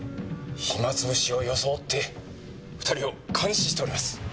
暇つぶしを装って２人を監視しております。